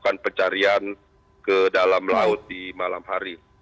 atau mungkin pencarian ke dalam laut di malam hari